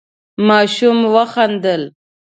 ماشوم وخندل.